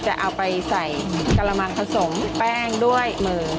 ใช้กระมาณผสมแป้งด้วยอย่างมือ